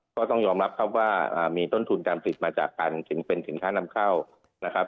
ก็ต้องยอมรับครับว่ามีต้นทุนการผลิตมาจากการเป็นสินค้านำเข้านะครับ